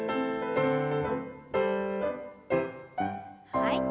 はい。